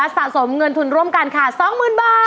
สะสมเงินทุนร่วมกันค่ะ๒๐๐๐บาท